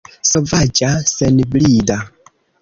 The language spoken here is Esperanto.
Sovaĝa, senbrida!